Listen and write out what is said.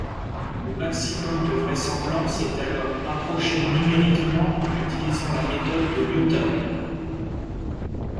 Le maximum de vraisemblance est alors approché numériquement en utilisant la méthode de Newton.